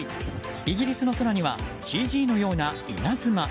イギリスの空にはＣＧのような稲妻。